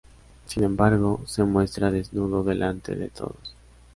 Sin embargo, se muestra desnudo delante de todos.